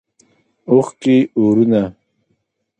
اوښکې اورونه